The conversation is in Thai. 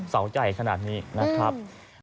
เสาใหญ่ขนาดนี้นะครับ